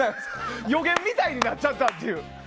予言みたいになっちゃったっていう。